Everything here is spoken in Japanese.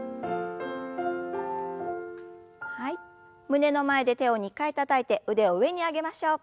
胸の前で手を２回たたいて腕を上に上げましょう。